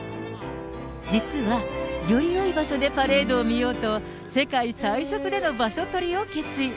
実は、よりよい場所でパレードを見ようと、世界最速での場所取りを決意。